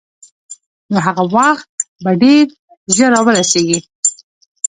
نو هغه وخت به ډېر ژر را ورسېږي.